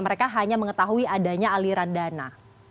mereka hanya mengetahui adanya aliran dana